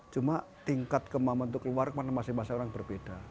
cuma tingkat kemampuan keluarga masing masing orang berbeda